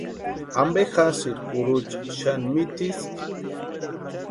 ¿Ampe jasïri kurucha xani mitiski?